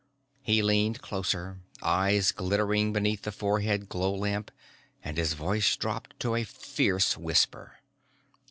He leaned closer, eyes glittering beneath the forehead glow lamp and his voice dropped to a fierce whisper.